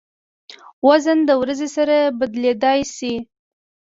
وزن د ورځې سره بدلېدای شي.